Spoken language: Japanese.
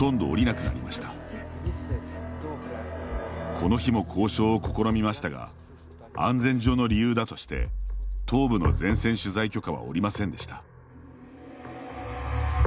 この日も交渉を試みましたが安全上の理由だとして東部の前線取材許可は下りませんでした。